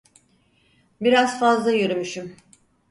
Biraz fazla yürümüşüm…